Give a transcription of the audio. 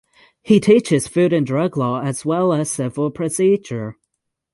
He teaches food and drug law as well as civil procedure.